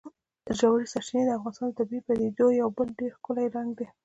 ژورې سرچینې د افغانستان د طبیعي پدیدو یو بل ډېر ښکلی رنګ دی.